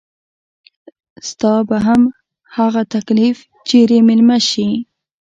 ستا به هم هغه تکليف چري ميلمه شي